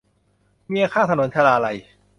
เมียข้างถนน - ชลาลัย